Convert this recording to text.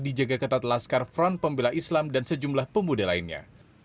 dijaga ketat laskar front pembela islam dan sejumlah pemuda lainnya